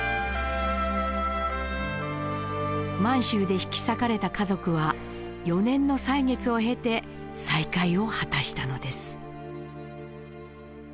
満州で引き裂かれた家族は４年の歳月を経て再会を果たしたのです。